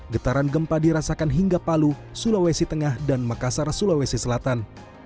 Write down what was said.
getaran gempa dirasakan hingga palu sulawesi tengah dan makassar sulawesi selatan